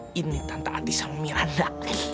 gue kerjain nih tante ati sama miranda